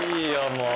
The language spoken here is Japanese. もう。